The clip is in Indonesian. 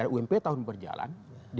ump tahun berjalan